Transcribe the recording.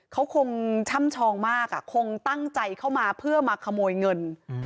เขาคงช่ำชองมากคงตั้งใจเข้ามาเพื่อมาขโมยเงิน